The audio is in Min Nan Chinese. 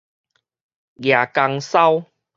蜈蚣蛸